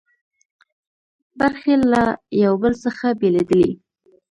برخې له یو بل څخه بېلېدلې.